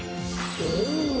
お！